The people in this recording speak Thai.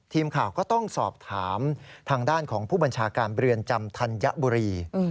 ทีมข่าวก็ต้องสอบถามทางด้านของผู้บัญชาการเรือนจำธัญบุรี